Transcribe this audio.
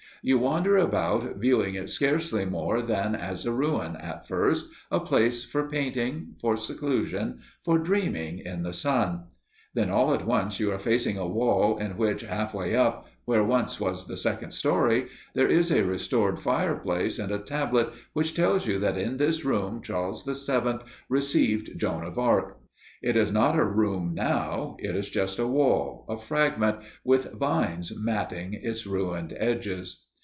You wander about viewing it scarcely more than as a ruin, at first, a place for painting, for seclusion, for dreaming in the sun. Then all at once you are facing a wall in which, half way up, where once was the second story, there is a restored fireplace and a tablet which tells you that in this room Charles VII received Joan of Arc. It is not a room now; it is just a wall, a fragment, with vines matting its ruined edges.